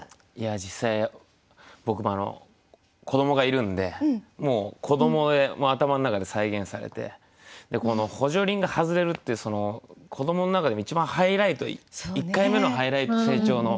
実際僕も子どもがいるんでもう子どもで頭の中で再現されてこの補助輪が外れるって子どもの中でも一番ハイライト１回目のハイライト成長の。